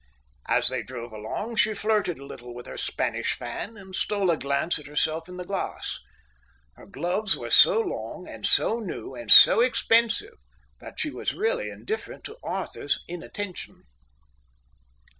As they drove along, she flirted a little with her Spanish fan and stole a glance at herself in the glass. Her gloves were so long and so new and so expensive that she was really indifferent to Arthur's inattention.